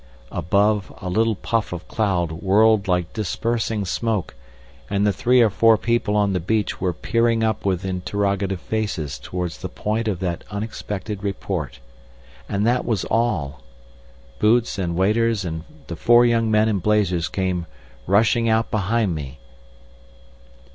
Above, a little puff of cloud whirled like dispersing smoke, and the three or four people on the beach were staring up with interrogative faces towards the point of that unexpected report. And that was all! Boots and waiter and the four young men in blazers came rushing out behind me.